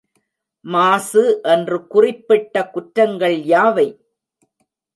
மாசு என்று குறிப்பிட்ட குற்றங்கள் யாவை?